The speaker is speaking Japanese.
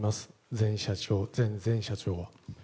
前社長、前々社長。